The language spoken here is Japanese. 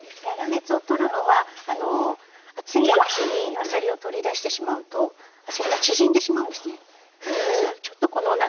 粗熱を取るのは熱いうちにあさりを取り出してしまうとあさりが縮んでしまうんですね。